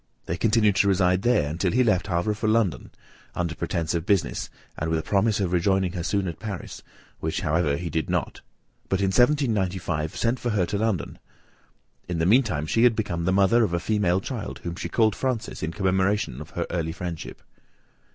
They continued to reside there, until he left Havre for London, under pretence of business, and with a promise of rejoining her soon at Paris, which however he did not, but in 1795 sent for her to London. In the mean time she had become the mother of a female child, whom she called Frances in commemoration of her early friendship.